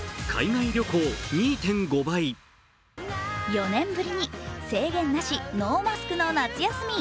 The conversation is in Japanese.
４年ぶりに制限なしノーマスクの夏休み！